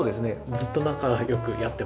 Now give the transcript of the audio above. ずっと仲良くやってますね。